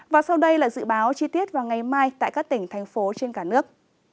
và sau đây là dự báo chi tiết vào ngày mai tại các tỉnh thành phố trên cả nước